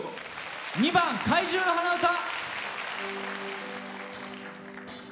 ２番「怪獣の花唄」。